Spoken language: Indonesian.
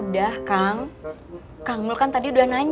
jangan lupa papa pinter